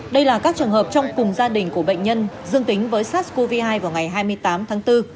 đây là các trường hợp trong cùng gia đình của bệnh nhân dương tính với sars cov hai vào ngày hai mươi tám tháng bốn